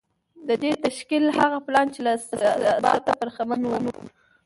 د دې تشکیل هغه پلان چې له ثباته برخمن و